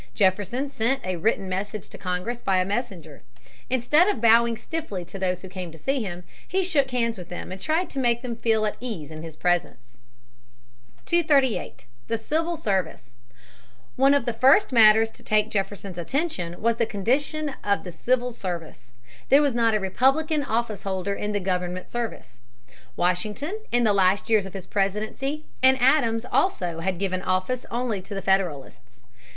Jefferson sent a written message to Congress by a messenger. Instead of bowing stiffly to those who came to see him, he shook hands with them and tried to make them feel at ease in his presence. [Sidenote: Proscription of Republicans by the Federalists.] [Sidenote: Adams's midnight appointments.] 238. The Civil Service. One of the first matters to take Jefferson's attention was the condition of the civil service. There was not a Republican office holder in the government service. Washington, in the last years of his presidency, and Adams also had given office only to Federalists.